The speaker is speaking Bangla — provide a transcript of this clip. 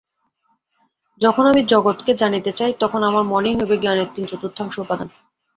যখন আমি জগৎকে জানিতে চাই, তখন আমার মনই হইবে জ্ঞানের তিন-চতুর্থাংশ উপাদান।